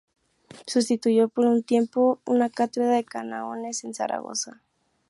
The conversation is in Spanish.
Sustituyó por un tiempo una cátedra de cánones en Zaragoza.